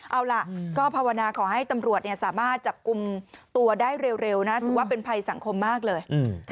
เอาล่ะก็ภาวนาขอให้ตำรวจสามารถจับกลุ่มตัวได้เร็วนะถือว่าเป็นภัยสังคมมากเลย